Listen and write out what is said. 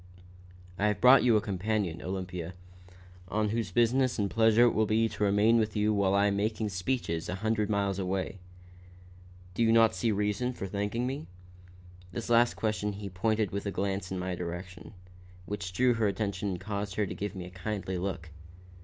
"I have brought you a companion, Olympia, one whose business and pleasure it will be to remain with you while I am making speeches a hundred miles away. Do you not see reason for thanking me?" This last question he pointed with a glance in my direction, which drew her attention and caused her to give me a kindly look.